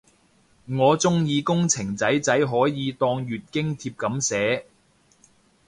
我鍾意工程仔仔可以當月經帖噉寫